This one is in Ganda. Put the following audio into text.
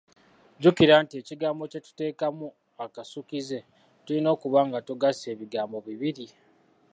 Jjukira nti ekigambo kye tuteekamu akasukkize, tulina okuba nga tugasse ebigambo bibiri.